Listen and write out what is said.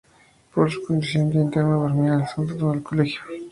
Por su condición de interno, dormía en el sótano del colegio.